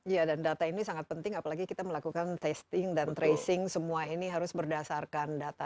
ya dan data ini sangat penting apalagi kita melakukan testing dan tracing semua ini harus berdasarkan data